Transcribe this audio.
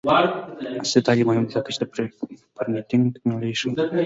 عصري تعلیم مهم دی ځکه چې د پرنټینګ ټیکنالوژي ښيي.